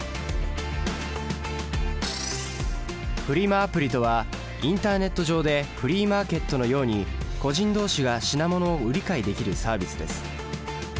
アプリとはインターネット上でフリーマーケットのように個人どうしが品物を売り買いできるサービスです。